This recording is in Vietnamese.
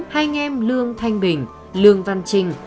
hai anh em lương thanh bình lương văn trình